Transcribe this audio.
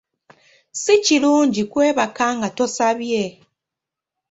Si kirungi kwebaka nga tosabye.